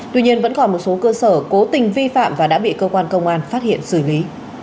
tuy nhiên vẫn còn một số cơ sở cố tình vi phạm và đã bị cơ quan công an phát hiện xử lý